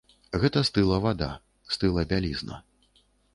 Гэта стыла вада, стыла бялізна.